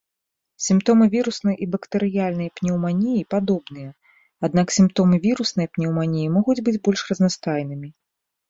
Сімптомы віруснай і бактэрыяльнай пнеўманіі падобныя, аднак сімптомы віруснай пнеўманіі могуць быць больш разнастайнымі.